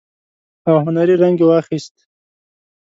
او هنري رنګ يې واخيست.